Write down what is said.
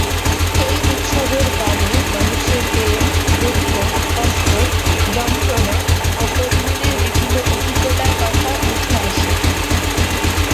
এই উৎসবের গানে মানুষের প্রেম, দুঃখ, কষ্ট, যন্ত্রণা ও প্রতিদিনের বিভিন্ন অভিজ্ঞতার কথা উঠে আসে।